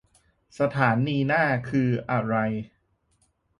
สถานีหน้าคืออะไร